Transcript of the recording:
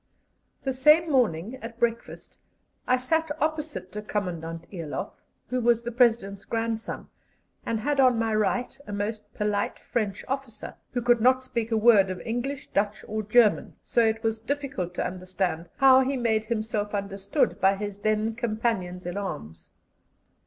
The same morning at breakfast I sat opposite to Commandant Eloff, who was the President's grandson, and had on my right a most polite French officer, who could not speak a word of English, Dutch, or German, so it was difficult to understand how he made himself understood by his then companions in arms.